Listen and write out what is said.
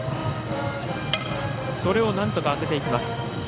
それをなんとか当てていきます。